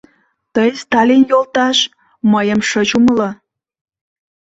— Тый, Сталин йолташ, мыйым шыч умыло.